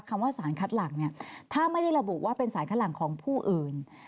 คำว่าสารคัดหลังเนี่ยถ้าไม่ได้ระบุว่าเป็นสารคัดหลังของผู้อื่น